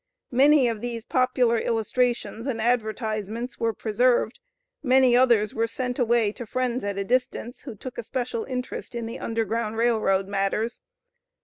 Many of these popular illustrations and advertisements were preserved, many others were sent away to friends at a distance, who took a special interest in the U.G.R.R. matters.